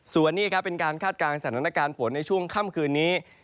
ส่วนนี้ครับเป็นการคาดการณ์สถานการณ์ฝนในช่วงค่ำคืนนี้